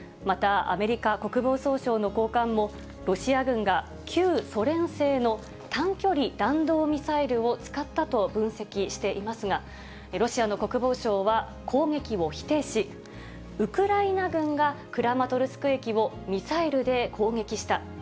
またアメリカ国防総省の高官も、ロシア軍が旧ソ連製の短距離弾道ミサイルを使ったと分析していますが、ロシアの国防省は攻撃を否定し、ウクライナ軍がクラマトルスク駅をミサイルで攻撃した。